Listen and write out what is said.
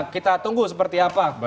kita tunggu seperti apa